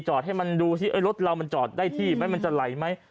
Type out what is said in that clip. จอดลำอุ่นได้ที่ที่จะไหลไหม